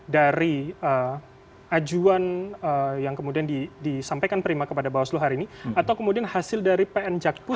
dari ajuan yang kemudian disampaikan prima kepada bawaslu hari ini atau kemudian hasil dari pn jakpus